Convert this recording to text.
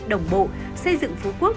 đồng bộ xây dựng phú quốc